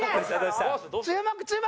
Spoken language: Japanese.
注目注目！